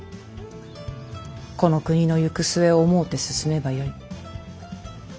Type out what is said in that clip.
この国の行く末を思うて進めばよい。